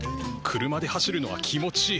車で走るのは気持ちいい。